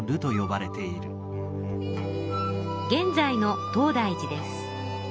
現在の東大寺です。